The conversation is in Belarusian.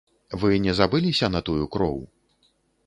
Вы не забыліся на тую кроў?